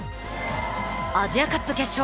アジアカップ決勝。